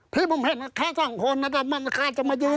ที่ผมเห็นแค่สองคนนะแต่มันคาดจะมายืน